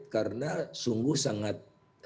karena sungguh sangat